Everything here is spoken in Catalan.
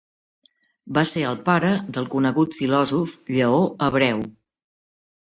Va ser el pare del conegut filòsof Lleó Hebreu.